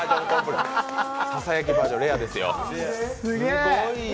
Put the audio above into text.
ささやきバージョンレアですよ。